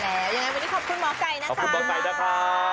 อย่างนั้นวันนี้ขอบคุณหมอไก่นะคะ